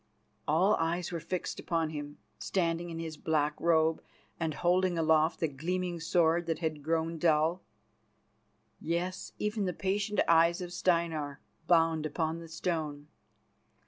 All eyes were fixed upon him, standing in his black robe, and holding aloft the gleaming sword that had grown dull. Yes, even the patient eyes of Steinar, bound upon the stone.